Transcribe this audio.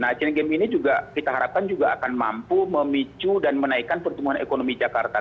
nah asian games ini juga kita harapkan juga akan mampu memicu dan menaikkan pertumbuhan ekonomi jakarta